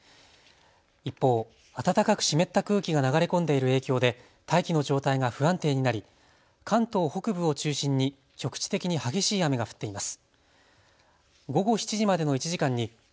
一方、暖かく湿った空気が流れ込んでいる影響で大気の状態が不安定になり関東北部を中心に局地的に激しい雨が降っています。